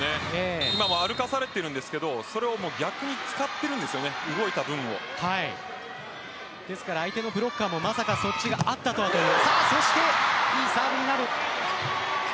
今も歩かされているんですがそれを逆に使っているんですよねですから相手のブロッカーもまさかそっちがあったとはという。